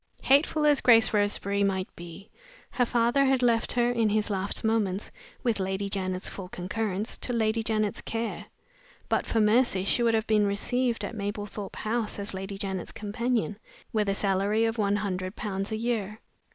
Hateful as Grace Roseberry might be, her father had left her, in his last moments, with Lady Janet's full concurrence, to Lady Janet's care. But for Mercy she would have been received at Mablethorpe House as Lady Janet's companion, with a salary of one hundred pounds a year.